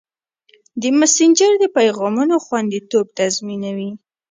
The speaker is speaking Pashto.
مسېنجر د پیغامونو خوندیتوب تضمینوي.